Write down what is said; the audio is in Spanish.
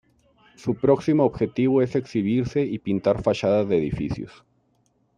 Su próximo objetivo es exhibirse y pintar fachadas de edificios.